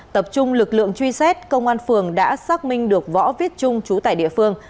tập trung lực lượng truy xét công an phường đã xác minh được võ viết trung trú tại địa phương